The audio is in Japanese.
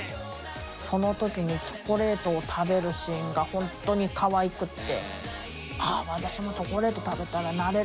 その時にチョコレートを食べるシーンがホントにかわいくって。